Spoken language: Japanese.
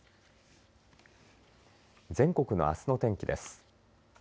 全国のあすの天気です。